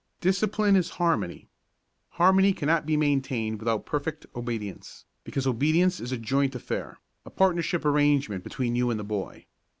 Discipline is harmony. Harmony cannot be maintained without perfect obedience, because obedience is a joint affair, a partnership arrangement between you and the boy.